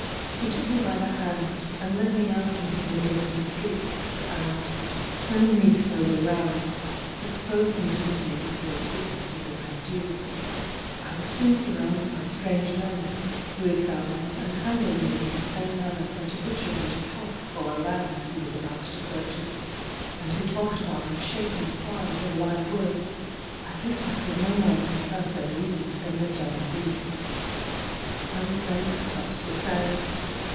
He took me by the hand, and led me out into the middle of the street, and, turning me slowly round, exposed me to the view of those who attended the vendue. I was soon surrounded by strange men, who examined and handled me in the same manner that a butcher would a calf or a lamb he was about to purchase, and who talked about my shape and size in like words as if I could no more understand their meaning than the dumb beasts. I was then put up to sale.